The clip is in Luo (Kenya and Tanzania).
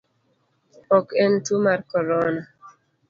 Ok en tuo mar corona?